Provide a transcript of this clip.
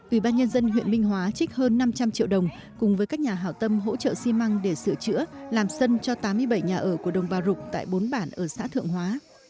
ủy ban nhân dân huyện minh hóa trích hơn năm trăm linh triệu đồng cùng với các nhà hảo tâm hỗ trợ xi măng để sửa chữa làm sân cho tám mươi bảy nhà ở của đồng bào rục tại bốn bản ở xã thượng hóa